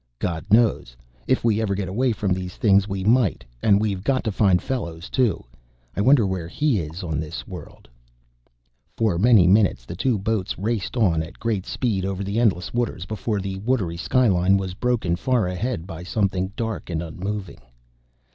"God knows. If we ever get away from these things we might. And we've got to find Fellows, too; I wonder where he is on this world." For many minutes the two boats raced on at great speed over the endless waters before the watery skyline was broken far ahead by something dark and unmoving.